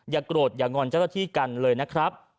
อย่ากรดอย่างงอนเจ้าตะที่กันเลยนะครับ